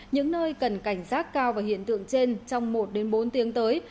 những nơi cần cảnh sát cao và hiện tượng trên trong một bốn tiếng tới